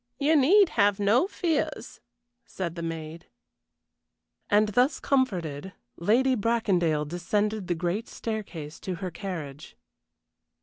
You need have no fears," said the maid. And thus comforted, Lady Bracondale descended the great staircase to her carriage.